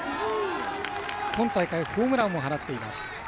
今大会ホームランも放っています。